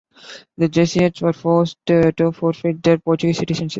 The Jesuits were forced to forfeit their Portuguese citizenship.